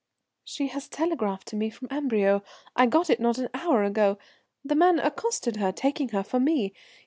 "She has telegraphed to me from Amberieu; I got it not an hour ago. The man accosted her, taking her for me.